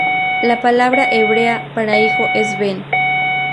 La palabra hebrea para hijo es "ben".